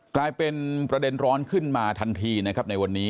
กลายเป็นประเด็นร้อนขึ้นมาทันทีนะครับในวันนี้